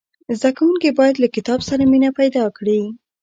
زدهکوونکي باید له کتاب سره مینه پیدا کړي.